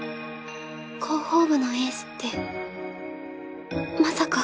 広報部のエースってまさか